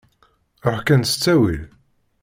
Ṛuḥ kan s ttawil.